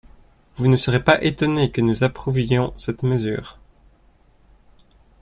Vous ne serez pas étonnés que nous approuvions cette mesure.